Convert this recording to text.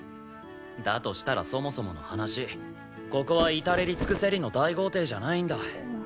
だとしたらそもそもの話ここは至れり尽くせりの大豪邸じゃないんだ。